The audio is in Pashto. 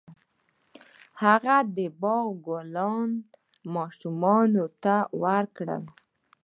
هغه د باغ ګلونه ماشومانو ته ورکړل.